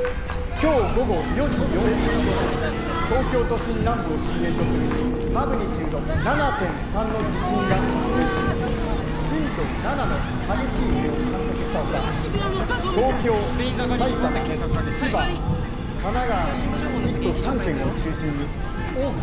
今日午後４時４分ごろ東京都心南部を震源とするマグニチュード７．３の地震が発生し震度７の激しい揺れを観測したほか東京埼玉千葉神奈川１都３県を中心に大きな被害が。